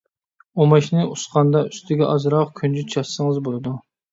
ئۇماچنى ئۇسقاندا، ئۈستىگە ئازراق كۈنجۈت چاچسىڭىز بولىدۇ.